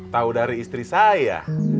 tau dari istri saya